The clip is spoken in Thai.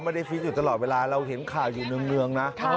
ไม่ได้ฟิสอยู่ตลอดเวลาเราเห็นข่าวอยู่เงินนะ